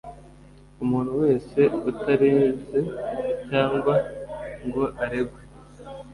umuntu wese utareze cyangwa ngo aregwe